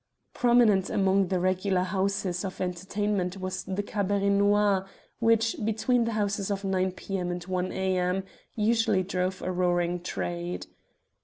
Prominent among the regular houses of entertainment was the Cabaret Noir, which, between the hours of 9 p.m. and 1 a.m., usually drove a roaring trade.